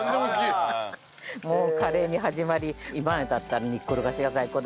もうカレーに始まり今だったら煮っころがしが最高ですね。